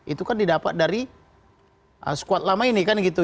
itu kan didapat dari squad lama ini kan gitu